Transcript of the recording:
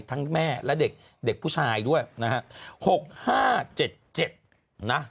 ทั้งแม่และเด็กและเด็กผู้ชายด้วยนะฮะ๖๕๗๗นะ